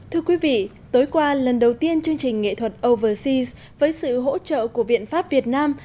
thưa quý vị tối qua lần đầu tiên chương trình nghệ thuật overseas với sự hỗ trợ của viện pháp việt nam